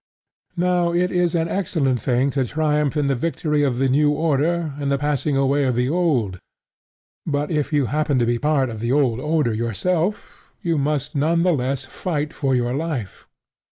Now it is an excellent thing to triumph in the victory of the new order and the passing away of the old; but if you happen to be part of the old order yourself, you must none the less fight for your life.